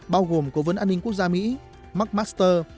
bao gồm cố vấn an ninh quốc gia mỹ mcmaster